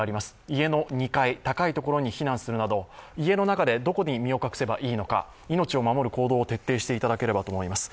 家の２階、高いところに避難するなど家の中でどこに身を隠せばいいのか、命を守る行動を徹底していただければと思います。